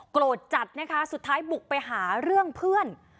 โกรธจัดนะคะสุดท้ายบุกไปหาเรื่องเพื่อน